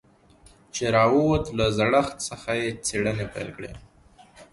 چې راووت له زړښت څخه يې څېړنې پيل کړې.